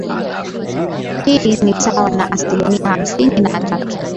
Hii ni sawa na asilimia hamsini na tatu